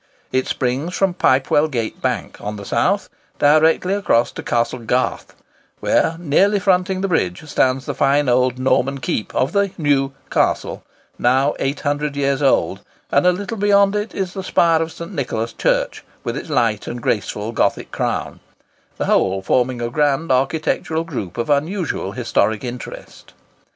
It springs from Pipewell Gate Bank, on the south, directly across to Castle Garth, where, nearly fronting the bridge, stands the fine old Norman keep of the New Castle, now nearly 800 years old, and a little beyond it is the spire of St. Nicholas Church, with its light and graceful Gothic crown; the whole forming a grand architectural group of unusual historic interest.